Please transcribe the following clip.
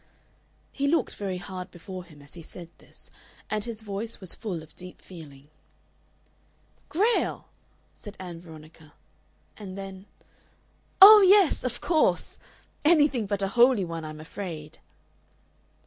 '" He looked very hard before him as he said this, and his voice was full of deep feeling. "Grail!" said Ann Veronica, and then: "Oh, yes of course! Anything but a holy one, I'm afraid."